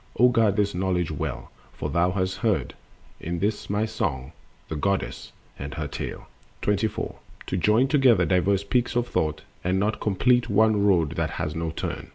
O guard this knowledge well, for thou hast heard In this my song the Goddess and her tale. The Speculative Thinker. 24. To join together diverse peaks of thought, And not complete one road that has no turn.